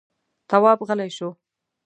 تواب غلی شو.